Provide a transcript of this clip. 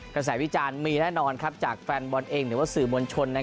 กระแสวิจารณ์มีแน่นอนจากแฟนบอลเองหรือว่าสื่อมวลชน